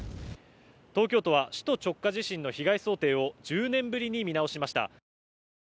東京都は首都直下地震の被害想定を１０年ぶりに見直しました。